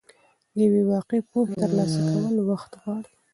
د یوې واقعي پوهې ترلاسه کول وخت غواړي.